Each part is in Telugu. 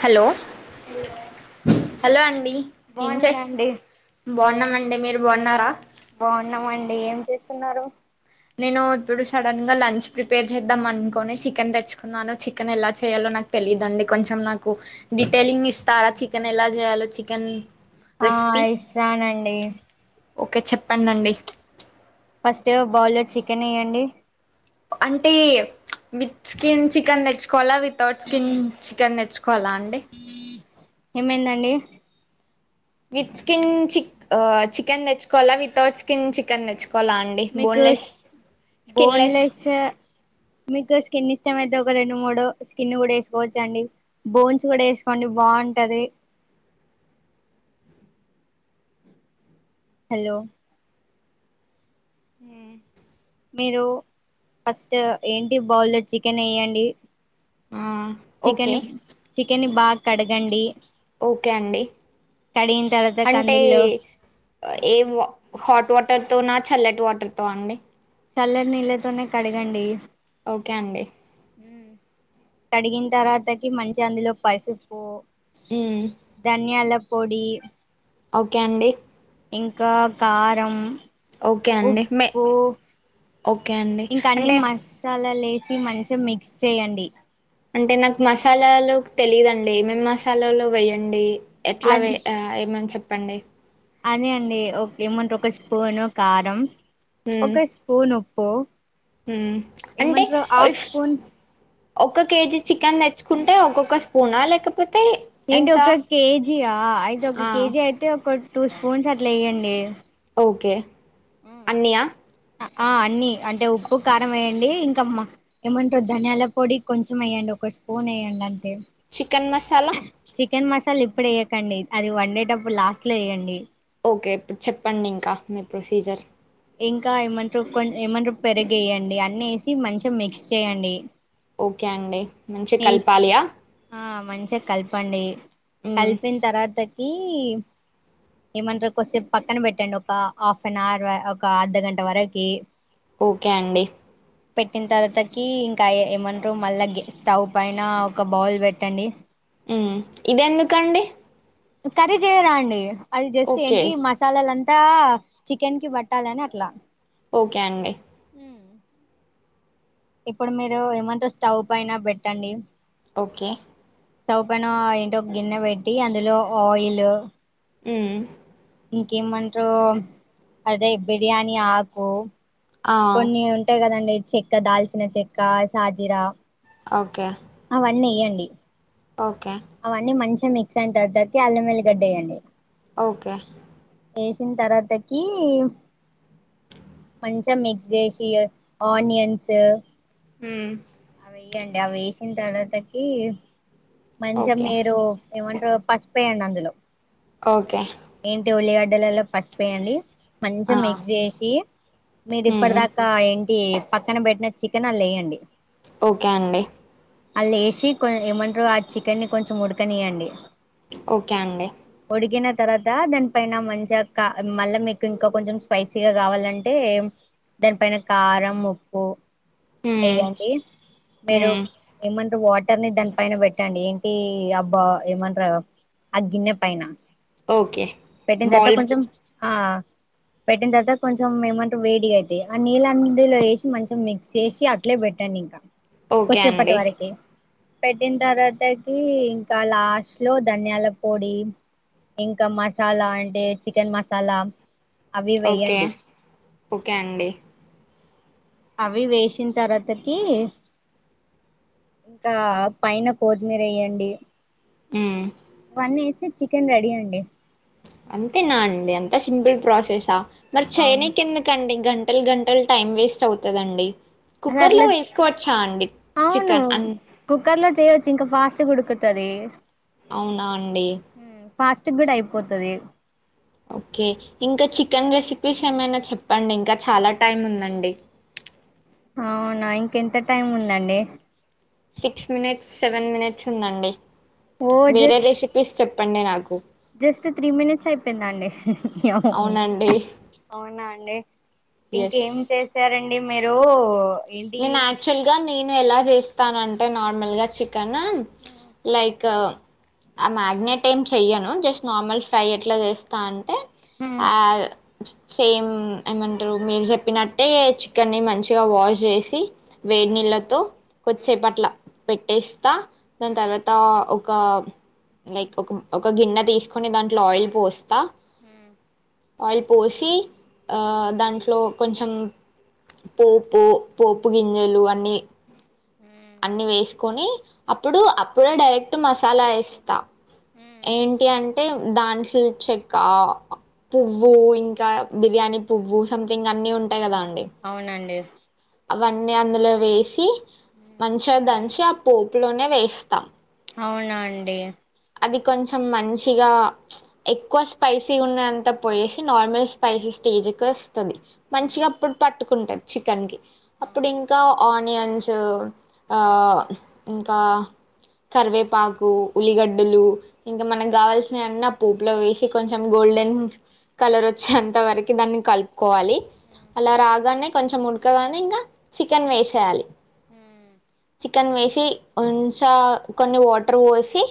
హలో, హలో హలో అండి. ఏం బాగున్నారా చేస్త అండి బాగున్నామండి మీరు. బావున్నార. బావున్నామండి. ఏం చేస్తున్నారు. నేను ఇప్పుడు సడన్గ లంచ్ ప్రిపేర్ చేద్దాం అనుకొని చికెన్ తెచ్చుకున్నాను చికెన్ ఎలా చేయాలో నాకు తెలీదండి కొంచెం నాకు డీటెయిలింగ్ ఇస్తారా చికెన్ ఎలా చేయాలో చికెన్ ఆ ఇస్సానండి. ఓకె చెప్పండండి. ఫస్ట్ బౌల్లో చికెన్ ఏయండి. అంటే విత్ స్కిన్ చికెన్ తెచ్చుకోవాలా విత్ తౌట్ స్కిన్ చికెన్ తెచ్చు కోలా అండి. ఏమైందండి. విత్ స్కిన్ చిక్ ఆ చికెన్ తెచ్చుకోలా వితౌట్ స్కిన్ చికెన్ తెచ్చు మీకు ఇస్ స్కిన్లెస్ బోన్లెస్ మీకు స్కిన్ని ఇష్ట అయితే ఒక రెండు మూడు స్కిన్ కూడ వేసుకోవచ్చండి బోన్స్ కూడ వేసుకోండి బాగుంటది. హలో హా మీరు ఫస్ట్ ఏంటి బౌల్లో చికెన్ ఏయండి. ఆ ఓకే చికెన్ చికెన్ని బాగ్ కడగండి ఓకే అండి కడిగిన తర్వాత అంటే కందుల్లో ఏ వ హాట్ వాట్ వాటర్ తో నా చల్లటి వాటర్ తో అండి చల్ల నీళ్ళతోనే కడగండి ఓకే అండి కడిగిన్తర్వాతకి మంచి అందులో పసుపు హ్మ్. ధన్యాల పొడి ఓకే అండి ఇంకా కారం ఓకే అండి మే ఉప్పు ఓకే అండి ఇంకా అన్ని అంటే మసాలాలు వేసి మంచిగా మిక్స్ చేయండి అంటే నాకు మసాలాలు తెలిదుండి ఏమేం మసాలాలు వేయ్యడి అ ఎట్లవే ఆ ఏమంట పండే అదే అండి ఓకే మంట ఒక స్పూను కారం హ్మ్. ఒక స్పూన్ ఉప్పు హ్మ్. ఏమంటారు హాఫ్ స్పూన్ ఒక్క కేజీ చికెన్ దెచ్చుకుంటే ఒక్కొక్క స్పూనా లేకపో ఏంటి ఒక కేజీయా అయితే ఆ! ఒక కేజీ అయితే ఒక టూ స్పూన్స్ అట్లా ఇ్యండి ఓకే అన్య ఆ అన్నీ అంటే ఉప్పు కారం వేయండి ఇంకా ఇంకమ్మా ఏమంటారు ధనియాల పొడి కొంచెం యేయండి ఒక స్పూన్ యేయండి అని చికెన్ మస చాలా చికెన్ మసాలె ఇప్పుడు యేయకండి అది వండేటప్పు లాస్ట్ లో యేయండి ఓకే చెప్పండింకా మీ ప్రొసీజర్ ఇంకా ఏమంటరు కొంచ ఏమంటూ పెరుగ వేయండి అన్న వేసి మంచిగా మిక్స్ చేయండి ఓకే అండి మంచి వేసి కలపాలియా ఆ మంచిగా కలపండి మ్మ్ కలిపిన తరత ఏమంటరు కోస్సెపు పక్కన పెట్టండి ఒక హాఫ్ అన్ అవర్ క అర్ధ గంట వరకి ఓకే అండి పెట్టిన తర్వాతకి ఇంకా ఏమంటరు మళ్ళా స్టవ్ పైన ఒక బౌల్ పెట్టండి ఉ ఇదెందుకండి కరీ చేయరా అండి అది జస్ట్ ఓకే ఏంటి మసాలాలంతా అంత చికెన్ కి బట్టాలని అట్లా ఓకే అండి ఉ ఇప్పుడు మీరు ఏమంటారు స్టవ్ పైన పెట్టండి ఓకే స్టవ్ పను ఏంటో ఒక గిన్నె పెట్టి అందులో ఆయిల్ హ్మ్మ్ ఇంకేము అదే బిర్యానిి హకు ఆ కొన్ని ఉంటాయి కదండి చెక్క దాల్చిన చెక్క సాాజిరా ఓకే అవన్నీయ్యండి అడి ఓకే అవన్నీ మంచి మిక్స్ అయిన తర్వాతకి అల్లంల్లిగడ్డేయం్యడి ఓకే వేసిన తర్వాతకి మంచిగా మిక్స్ చేసి ఆనియన్స్ హ అవి వెయ్యండి అవి వేసిన తర్వాతకి మంచిగా ఓకే మీరు ఏమంటారు పసుపు ప్ప ఎలో ఓకే ఏంటి ఉలిగాడ్ గద్దలలో పసిపోయండి మంచిగా ఆ మిక్స్ చేసి మీరి ఇప్పటి మ్మ్ దాకా ఏంటి పక్కన పెట్టిన చికెన్ అ లేయంండి ఓకే అండి అల్ ఏేసి కొ ఏమన్ చికెన్ని ని కొంచెం ఉడకనివ్యండి ఓకే అండి తర్వాత దానిపైన మంచిగా మళ్ళీ మీకు ఇంకా కొంచెం స్పైసీగా కావాలంటే దానిపైన కారం ఉప్పు మ్మ్ వయ్యండి మీరు మ్మ్ ఏమంట వాటర్ ని దాని పైన పెట్టండి ఏంటి అబ్బ ఏమ ఆ గన్నె పనా ఓకే పెట్టిన తర్వా బాల్ కొంచెం ఆ పెట్టిన తర్వాత కొంచెం ఏమంటే వేడిగా అయితాయి ఆ నీళ్ళ అందులో వేసి మంచం మిక్స్ చేసి అట్లే పెట్టండి ఇంకా ఓకే కొసేప్పట్టు అండి వరకి పెట్టిన తర్వాతకి ఇంకా లాస్ట్ లో ధనియాల పొడి ఇంకా మసాలా అంటే చికెన్ మసాలా అవి ఓకే వేయండి ఓకే అండి అవి వేసిన తర్వాతకి ఇంకా పైన కొతిమీర వేయండి ఆ వన్ వేసి చికెన్ రెడీ అండి అంతేనా అండి అంత సింపుల్ ప్రాసెసా మరి అవును చైనాకి ఎందుకండి గంటలు గంటలు టైం వేస్ట్ అవుతందండి అద అట్లా అవును చికెన్ అన్ కుక్కర్ లో చేయవచ్చు ఇంకా ఫాస్ట్ కుడు తది అవునా అండి ఫాస్ట్ కూడా అయిపోతుది ఓకే ఇంకా చికెన్ రెసిపీస్ ఏమైనా చెప్పండి ఇంకా చాలా టైం ఉందండి అవునా ఇంకెంత టైం ఉందండి సిక్స్ మినిట్స్ సెవెన్ మినిట్స్ ఉందండి ఓ వేరే జస్ట్ రెసిపీస్ చెప్పండి నాకు జస్ట్ త్రీ మినిట్స్ అయిపోయింద అండి అవు అవునండి అవునా అండి ఎస్ ఇంకేం చేశారండి అండి మీరు ఏంటి నేను యాక్చువల్ గా నేను ఎలా చేస్తాన అంటే నార్మల్ గా కనా లైక్ ఆ మ్యాగ్నెట్ ఏం చెయ్యను జస్ట్ నార్మల్ ఫ్రై ఎట్లా చేస్తా అంటే ఆ సేమ్ ఏమంటారు మీరు చెప్పినట్టే చికెన్ని ని మంచిగా వాష్ చేసి వేడినీళ్ళతో వచ్చే పట్ల పెట్టే న తర్వాత ఒక లైక్ ఒక ఒక గిన్నె తీసుకొని దాంట్లో ఆయిల్ పోస్తా హ ఆయిల్ పోసి దాంట్లో కొంచెం పోపు పోపు గింజలు అన్నీ అన్ని వేసుకొని అప్పుడు అప్పుడే డైరెక్ట్ మసాలా వేస్తా ఏంటి అంటే అంటే దాంట్లో చెక్క పువ్వు ఇంకా బిర్యానీ పువ్వు సంథింగ్ అన్ని ఉంటాయి కదాండి అవునండి అవన్నీ అందులో వేసి మంచి ఆ పోపులోనే వేస్తాం అవునా అండి అది కొంచెం మంచిగా ఎక్కువ స్పైసీ ఉన్నంత పోయేసి నార్మల్ స్పైసీ స్టేజ్కి వస్త్ మంచిగా అప్పుడు పట్టుకు కుంటారు చికెన్కి అప్పుడు ఇంకా ఆనియన్స్ ఆ ఇంకా కరివేపాకు ఉల్లిగడ్డలు ఇంకా మనకు కావాల్సినవి అన్ని ఆపొపులో వేసి కొంచెం గోల్డెన్ కలర్ వచ్చేంత వరకు దాన్ని కలుపు కోవాలి అలా రాగానే కొంచెం ఉడకగానే ఇంకా చికెన్ వేసేయాలి హ్మ్ చికెన్ వేసి ఉంచ కొన్ని వాటర్ పోసి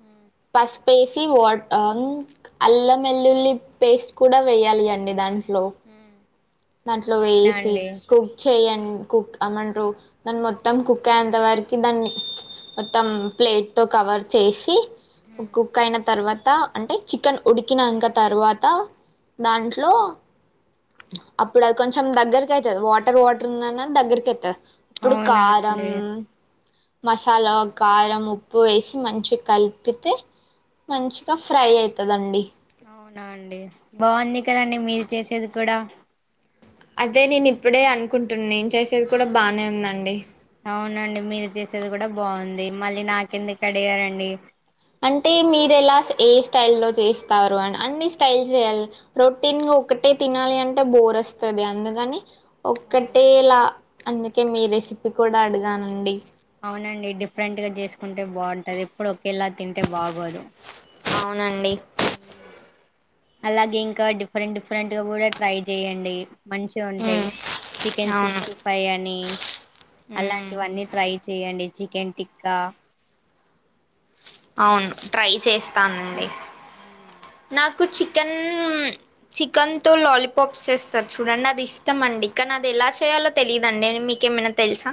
అవునా పసుపు ఎస్ వా అల్లం వెల్లుల్లి పేస్ట్ కూడా వేయాలి అండి దా దంట్లో దాంట్లో వేసి అండి కుక్ చేయండి కుక్ అమంటారు దాని మొత్తం కుక్ అయెంత వరకు దాన్ని మొత్తం ప్లేట్ తో కవర్ చేసి కు కుక్ అయిన తర్వాత అంటే చికెన్ ఉడికినాంక తర్వాత దాంట్లో అప్పుడు అది కొంచెం దగ్గరకి అయితాది వాటర్ వాటర్ ఉన్నాన్నా దగ్గరకి అయితాది అప్పుడు కారం అవునండి మసాలా కారం ఉప్పు వేసి మంచిగా కలిపితే మంచిగా ఫ్రై అయితాదండి బాగుంది కదండి మీరు చేసేది కూడా అదే నేను ఇప్పుడే అనుకుంటున్నాను నిను చేసేది కూడా బానే ఉందండి అవునండి మీరు చేసేది కూడా బాగుంది మళ్ళీ నాకెందుకు అడిగారండి అంటే మీరు ఎలా ఏ స్టైల్ లో చేస్తారు అని అన్ని స్టైల్ చేయాలి రొటీన్గా ఒకటే తినాలి అంటే బోర్ వస్తాది అందుకని అవునండి ఒక్కటేలా అందుక్ అందుకే మీ రెసిపీ కూడా అడిగానండి అవునండి డిఫరెంట్ గా చేసుకుంటే బాగుంటది ఇప్పుడు ఒకేలా తింటే బాగోదు అవునండి అలాగే ఇంకా డిఫరెంట్ డిఫరెంట్ గా కూడా ట్రై చెయండి మంచిగా ఉంటాయి ఉమ్ చికెన్ అవును సిక్స్టీ ఫైవ్ అని ఉమ్ అలాంటివన్నీ ట్రై చేయండి చికెన్ టిక్కా అవును ట్రై చేస్తానండి నాక్ నాకు చికెన్ చికెన్తో లాలీపాప్స్ చేస్తారు చూడండి అది ఇష్టం అండి కానీ అది ఎలా చేయాలో తెలియదాండి అ మీకేమైనా తెలుసా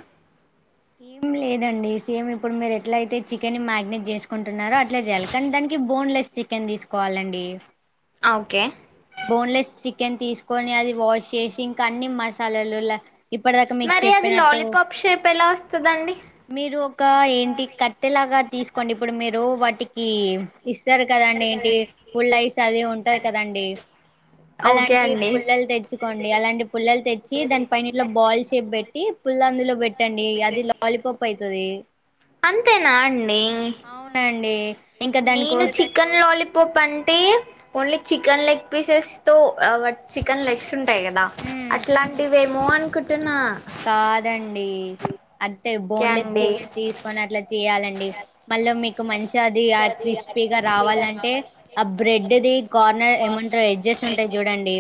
ఏం లేదండి సేమ్ ఇప్పుడు మీరు ఎట్లా అయితే చికెన్ మ్యాగ్నేట్ చేసుకుంటున్నారో అట్ అట్లే చేయాలి కానీ దానికి బోన్లెస్ చికెన్ తీసుకోవాలండి ఆ ఓకే బోన్లెస్ చికెన్ తీసుకొని అది వాష్ చేసి ఇంకా అన్ని మసాలాలు ల ఇప్పటిదక మీకు మరి అది చెప్పినట్టు లాలీపాప్ షేప్ ఎలా వస్తదండి మీరు ఒక ఏంటి కట్టెలాగా తీసుకు కోండి ఇప్పుడు మీరు వాటికి ఇస్తారు కదండి ఏంటి ఫుల్ రైస్ అది ఉంటది కదండీ ఓకే అలాంటి అండి పుల్లలు తెచ్చుకోండి అలాంటి పుల్ల వచ్చి దాని పైన ఇట్లా బాల్ షేప్ బెట్టి ట్టి పుల్ల అందులో పె ఎట్టండి అది లాలీపప్ అయితది అంతేనా అండి అవునండి ఇంకా దానికో నేను చికెన్ లాలిప్ పాప్ అంటే ఓన్లీ చికెన్ లెగ్ పీసెస్ తో చికెన్ లెగ్స్ ఉంటాయి కదా మ్మ్ అట్లాంటివి వేమో అనుకుంటున్నా కాదండి అదే ఓకే బోన్లెస్ అండి చికెన్ తీసుకొని అట్లా చేయా డాలండి మళ్ళ మీ ఒక మంచి అది ఆ క్రిస్పీగా రావాలంటే ఆ బ్రెడ్ది కార్నర్ ఏమంటారు ఎడ్జెస్ ఉంటాయి చూడండి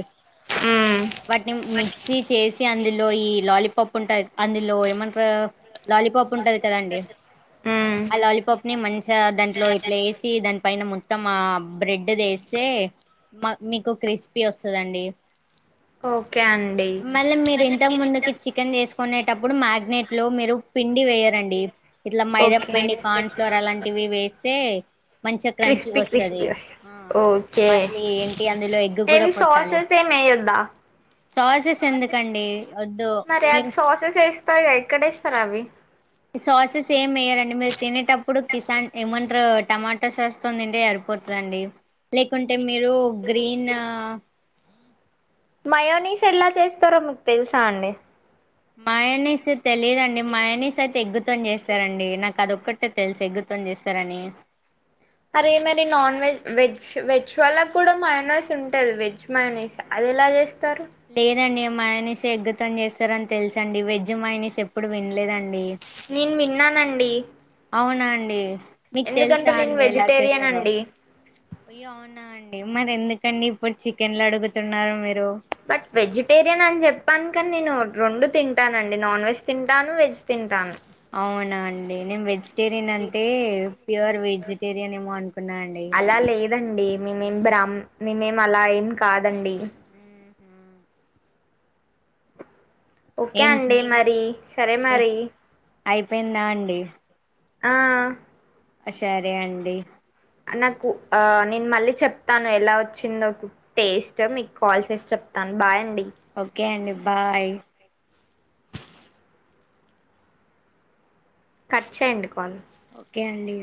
మ్మ్ వాటిని మిక్సీ చేసి అందులో ఈ లాలీపాప్ ఉంట అందులో ఏమంటార లాలీపాప్ ఉంటది కదండి మ్మ్ ఆ లాలీపాప్ ని మంచిగా దాంట్లో ఇట్లా వేసి దాని పైన ము మొత్త మా బ్రెడ్ దేస్తే మా మీకు క్రిస్పీ వస్తదండి ఓకే అండి మళ్ళీ మీరు ఇంతకు ముందుకి చికెన్ చేసుకునేటు టప్పుడు మ్యాగ్నేట్ లో మీరు పిండి వేయరండి. ఇట్లా మైదాం ఓకే పిండి కార్న్ ఫ్లోర్ అలాంటివి వేస్తే మంచిగా క్రంచిగా క్రిస్పీ వస్తది క్రిస్పి వస్ ఆ ఓకే మళ్ళీ ఏంటి అందులో ఎగ్ కూడా ఏమి కొట్టాలి సాసెస్ ఏమి వేయద్దా? సాసెస్ ఎందుకండి వద్దు సరే అది మీరు సాసెస్ వేస్తారు ఎక్కడ వేస్తారు అవి సాసెస్ ఏమి వేయ్యరండి మీరు తినేటప్పుడు కిసాన్ ఏమన్ అంటరు టమాటో సాస్తో తింటే సరిపోతుందండి లేకుంటే మీరు గ్రీన్ ఆ మయోనీస్ ఎలా చేస్తారో మీకు తెలుసా అండి మయోనిస్ తెలిదండి మయోనిస్ ఆయితే ఎగ్గు తో నీ చేస్తారండి నాకు అది ఒక్కటే తెలిసు ఎగ్ తో న్ చేస్తారని అరే మరి నాన్ వెజ్ వెజ్ వెజ్ వాల్ల కూడా మయోనిస్ ఉంటది వెజ్ మయోనిస్ అది ఎలా చేస్త లేదండి మయోనిస్ ఎగ్ మొత్తం చేస్తార అని తెలుస అండి వెజ్ మయోనిస్ ఎప్పుడు వినలేదండి నేను విన్నానండి అవునా అండి మీకు ఎందుకంటే తెలుసా నేను అండి ఎలా వెజిటేరియన్ చేస్తారో అండి అయ్యో అవునా అండి మరి ఎందుకండి ఇప్పుడు చికెన్లు అడుగుతున్నారు మీరు బట్ వెజిటేరియన్ అని చెప్పానుకని నేను రెండు తింటానండి నాన్ వెజ్ తింటాను వెజ్ తింటాను అవునా అండి నేను వెజ్ వెజిటేరియన్ అంటే ప్యూర్ వెజిటేరియన్ ఏమో అనుకున్నా అండి మ మేం అలా ఏం కాదండి వ హ ఓకే ఏం చే అండి మరి సరే మరి అప్ప ఎంద అండి ఆ సరే అండి నాకు ఆ నేను మళ్ళీ చెప్తాను ఎలా వచ్చిందో టేస్ట్ మీకు కాల్ చేసి చెప్తాను బాయ్ అండి ఓకే అండి బాయ్ కట్ చేయండి కొన్ని ఓకే అండి